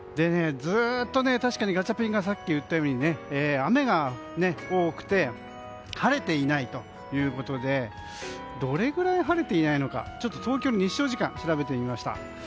確かにガチャピンがさっき言ったように雨が多くて晴れていないということでどれぐらい晴れていないのか東京の日照時間を調べてみました。